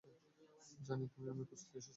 জানি তুমি আমায় খুঁজতে এসেছিলে।